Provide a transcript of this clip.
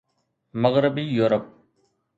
مغربي يورپ